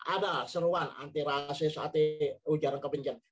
ada seruan anti rasis anti ujaran kebencanaan